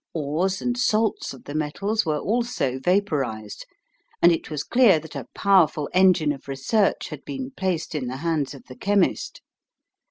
Ores and salts of the metals were also vapourised, and it was clear that a powerful engine of research had been placed in the hands of the chemist.